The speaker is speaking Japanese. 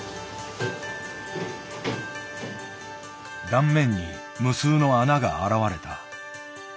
断面に無数の穴が現れた。